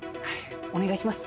お願いします。